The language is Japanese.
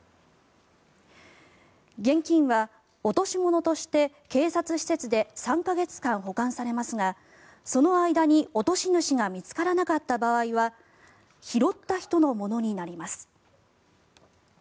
現金は落とし物として警察施設で３か月間保管されますがその間に落とし主が見つからなかった場合は拾った人のものになります。